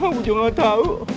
aku juga gak tau